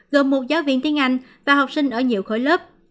gồm một giáo viên tiếng anh và học sinh ở nhiều khối lớp